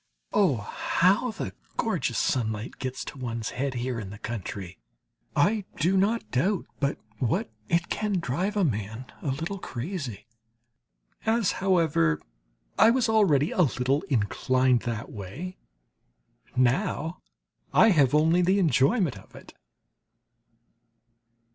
Oh, how the gorgeous sunlight gets to one's head here in the country! I do not doubt but what it can drive a man a little crazy. As, however, I was already a little inclined that way, now I have only the enjoyment of it.